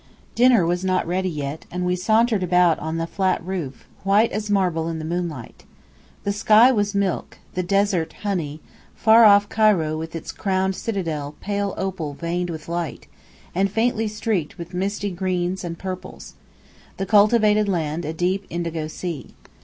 Dinner was not ready yet, and we sauntered about on the flat roof, white as marble in the moonlight. The sky was milk the desert, honey far off Cairo with its crowned citadel, pale opal veined with light, and faintly streaked with misty greens and purples; the cultivated land a deep indigo sea.